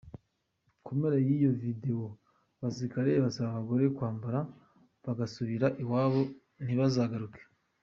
Ku mpera z’iyo videwo abasirikare basaba abagore kwambara, bagasubira iwabo ntibazagaruke.